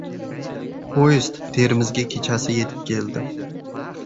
Poyezd Termizga kechasi yetib keldi.